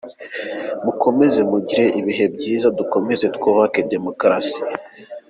Mukomeze mugire ibihe byiza, dukomeze twubake demokarasi..”